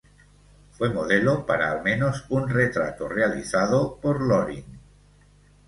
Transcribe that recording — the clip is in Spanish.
Fue modelo para al menos un retrato realizado por Loring.